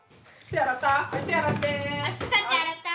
手洗った？